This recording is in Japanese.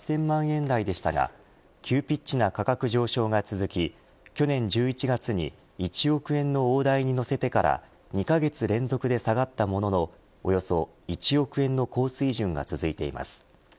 ２０２０年には８０００万円台でしたが急ピッチな価格上昇が続き去年１１月に１億円の大台に乗せてから２カ月連続で下がったもののおよそ１億円の高水準が続いています。